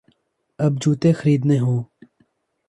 اب جوتے خریدنے ہوں۔